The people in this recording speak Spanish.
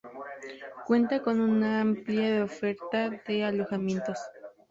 Cuenta con una amplia de oferta de alojamientos.